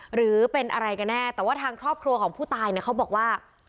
หรือเป็นอะไรกันแน่แต่ว่าทางครอบครัวของผู้ตายเนี่ยเขาบอกว่า